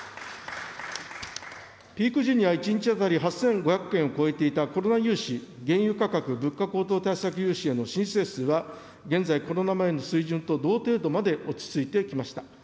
ピーク時には１日当たり８５００件を超えていたコロナ融資、原油価格・物価高騰対策融資への申請数は、現在、コロナ前の水準と同程度まで落ち着いてきました。